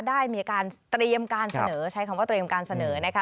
ได้มีการเตรียมการเสนอใช้คำว่าเตรียมการเสนอนะคะ